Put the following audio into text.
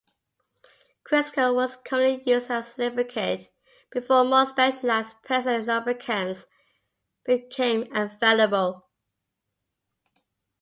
Crisco was commonly used as a lubricant, before more specialized personal lubricants became available.